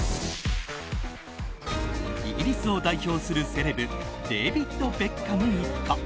イギリスを代表するセレブデービッド・ベッカム一家。